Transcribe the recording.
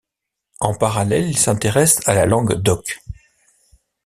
En parallèle, il s'intéresse à la langue d'oc.